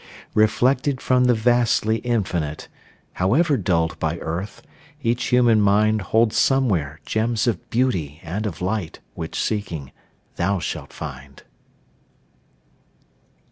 Reflected from the vastly Infinite, However dulled by earth, each human mind Holds somewhere gems of beauty and of light Which, seeking, thou shalt find.